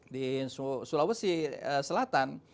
di sulawesi selatan